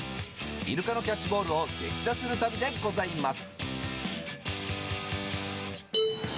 イルカのキャッチボールを激写する旅でございます。